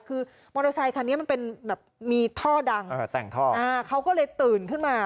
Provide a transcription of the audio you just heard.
คือมอเตอร์ไซคันนี้มันเป็นแบบมีท่อดังแต่งท่ออ่าเขาก็เลยตื่นขึ้นมา